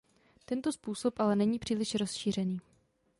Tento způsob ale není příliš rozšířený.